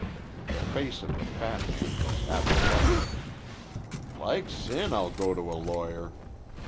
The face of the fat man was apoplectic. "Like sin I'll go to a lawyer.